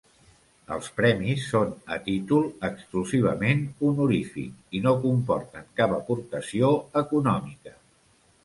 Els premis són a títol exclusivament honorífic i no comporten cap aportació econòmica.